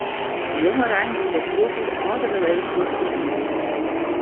De jongerein giet op hieltyd âldere leeftiid út 'e hûs.